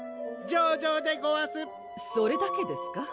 上々デゴワスそれだけですか？